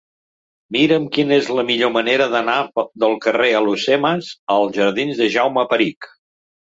Mira'm quina és la millor manera d'anar del carrer d'Alhucemas als jardins de Jaume Perich.